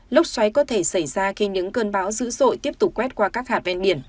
lốc xoáy có thể xảy ra khi những cơn bão dữ dội tiếp tục quét qua các hạt ven biển